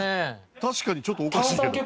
確かにちょっとおかしいけど。